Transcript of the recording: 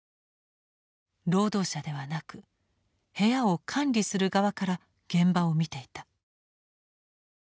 労働者ではなく部屋を管理する側から現場を見ていた。